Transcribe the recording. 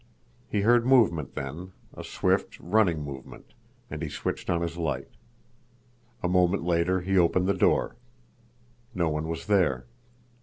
He heard movement then, a swift, running movement—and he switched on his light. A moment later he opened the door. No one was there.